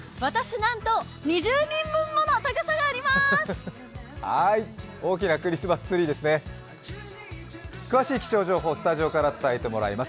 なんと私２０人分もの高さがあります。